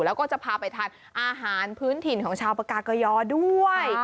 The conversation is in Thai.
แล้วก็จะพาไปทานอาหารพื้นถิ่นของชาวปากากยอด้วย